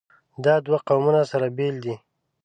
دا دوه قومونه سره بېل دي.